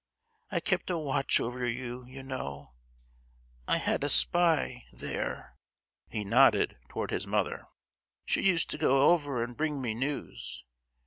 I kept a watch over you, you know; I had a spy—there!" (he nodded towards his mother). "She used to go over and bring me news.